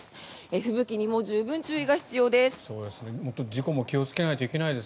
吹雪にも十分注意が必要です。